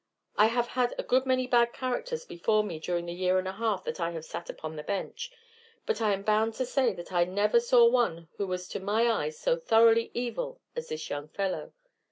I have had a good many bad characters before me during the year and a half that I have sat upon the bench, but I am bound to say that I never saw one who was to my eyes so thoroughly evil as this young fellow.